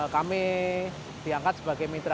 kami diangkat sebagai mitra